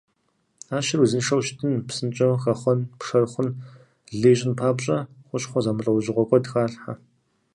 Ӏэщыр узыншэу щытын, псынщӀэу хэхъуэн, пшэр хъун, лы ищӀын папщӀэ, хущхъуэ зэмылӀэужьыгъуэ куэд халъхьэ.